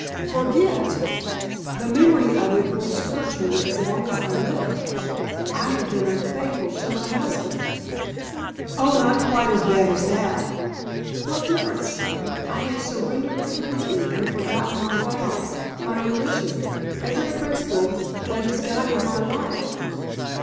"Forget! The memory of it will scourge me as long as I live. I have been unfaithful to my husband!" "Oh, not quite as bad as that!" "What difference? I had surrendered completely and forgotten my vows, my religion, every principle that has guided my life.